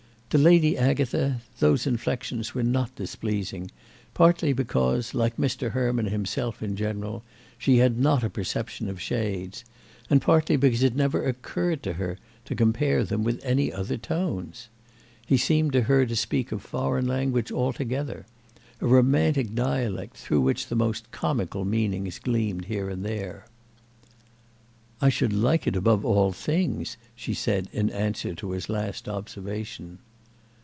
To Lady Agatha those inflexions were not displeasing, partly because, like Mr. Herman himself in general, she had not a perception of shades; and partly because it never occurred to her to compare them with any other tones. He seemed to her to speak a foreign language altogether—a romantic dialect through which the most comical meanings gleamed here and there. "I should like it above all things," she said in answer to his last observation.